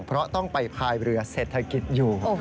เพราะต้องไปพายเรือเศรษฐกิจอยู่